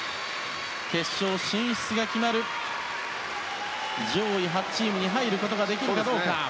決勝進出が決まる上位８チームに入ることができるかどうか。